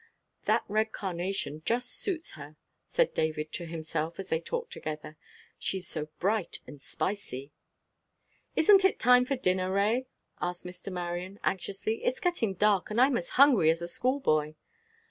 "That red carnation just suits her," said David to himself, as they talked together. "She is so bright and spicy." "Isn't it time for dinner, Ray?" asked Mr. Marion, anxiously. "It's getting dark, and I'm as hungry as a schoolboy."